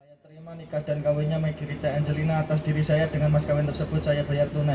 saya terima nikah dan kawinnya maggirita angelina atas diri saya dengan mas kawin tersebut saya bayar tunai